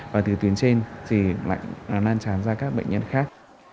và từ tuyến trên thì lại lan tràn ra các bệnh nhân khác